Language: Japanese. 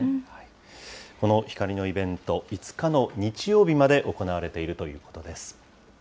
この光のイベント、５日の日曜日まで行われているということです。